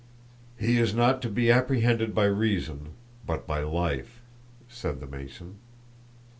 "He is not to be apprehended by reason, but by life," said the Mason.